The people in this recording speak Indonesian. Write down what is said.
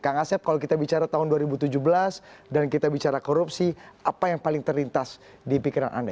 kang asep kalau kita bicara tahun dua ribu tujuh belas dan kita bicara korupsi apa yang paling terlintas di pikiran anda